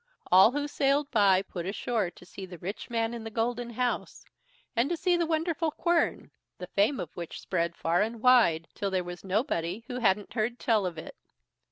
All who sailed by put ashore to see the rich man in the golden house, and to see the wonderful quern, the fame of which spread far and wide, till there was nobody who hadn't heard tell of it.